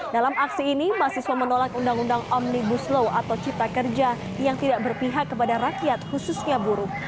dalam aksi ini mahasiswa menolak undang undang omnibus law atau cipta kerja yang tidak berpihak kepada rakyat khususnya buruh